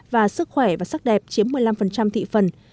và sức khỏe và sắc đẹp chiếm một mươi năm thị phần